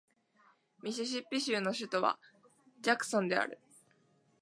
ミシシッピ州の州都はジャクソンである